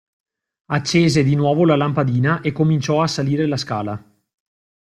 Accese di nuovo la lampadina e cominciò a salire la scala.